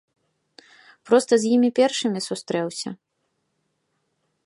Проста з імі першымі сустрэўся.